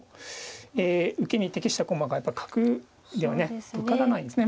え受けに適した駒がやっぱ角ではね受からないんですね。